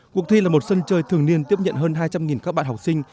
cuộc thi là một sân chơi thường niên tiếp nhận hơn hai trăm linh các bạn học sinh